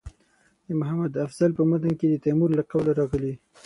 د محمد افضل په متن کې د تیمور له قوله راغلي.